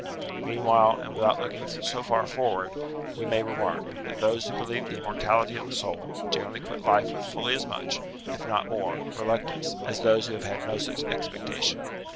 Mean while and without looking so far forward, we may remark, that those who believe the immortality of the soul, generally quit life with fully as much, if not more, reluctance, as those who have no such expecta tion.